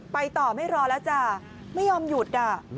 ไปต่อไม่รอแล้วจ้ะไม่ยอมหยุด